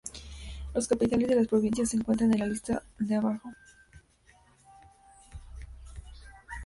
Las capitales de las provincias se encuentran en la lista de abajo.